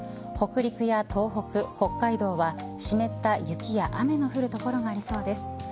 北陸や東北、北海道は湿った雪や雨の降る所がありそうです。